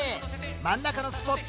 真ん中のスポット